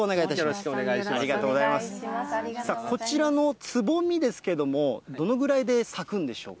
こちらのつぼみですけども、どのぐらいで咲くんでしょうか。